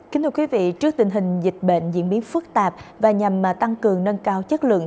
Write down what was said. kính thưa quý vị trước tình hình dịch bệnh diễn biến phức tạp và nhằm tăng cường nâng cao chất lượng